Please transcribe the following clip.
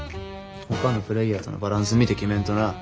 ほかのプレーヤーとのバランス見て決めんとな。